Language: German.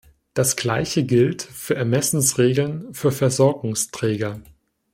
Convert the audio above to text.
Das gleiche gilt für Ermessensregeln für Versorgungsträger.